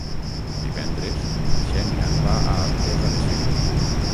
Divendres na Xènia va a Artesa de Segre.